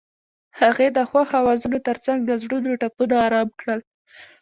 هغې د خوښ اوازونو ترڅنګ د زړونو ټپونه آرام کړل.